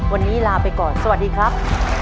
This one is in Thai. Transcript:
วันนี้ลาไปก่อนสวัสดีครับ